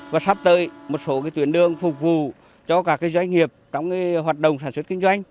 và sắp tới một số tuyến đường phục vụ cho các doanh nghiệp trong hoạt động sản xuất kinh doanh